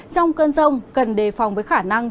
trong cơn rông cần đề phòng với khả năng